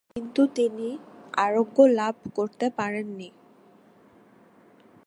কিন্তু তিনি আরোগ্য লাভ করতে পারেন নি।